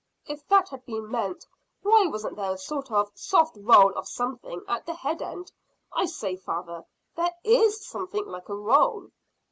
"If that had been meant, why wasn't there a sort of soft roll of something at the head end? I say, father, there is something like a roll."